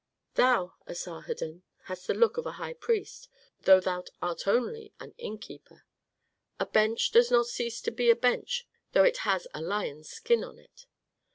"Thou, Asarhadon, hast the look of a high priest, though thou art only an innkeeper. A bench does not cease to be a bench, though it has a lion's skin on it."